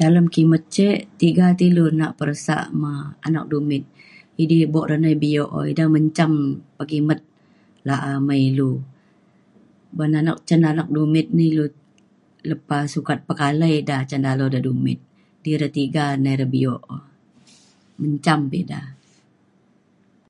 Dalem kimet cek tiga na ilou ti peresak na anak dumit idi na idai nai biok oo ida menjam pekimet nga amai ilou uban cin ida dumit lepa sukat pekalai ida cin dumit ti ida tiga pa par ida biok, menjam pa ida